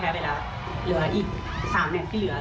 ไม่ว่าผลจะเป็นยังไงพวกเราก็ขอสู้เต็มที่ค่ะ